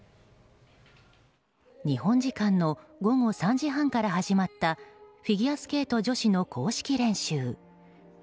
日本時間の午後３時半から始まったフィギュアスケート女子の公式練習。